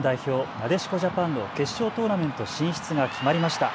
なでしこジャパンの決勝トーナメント進出が決まりました。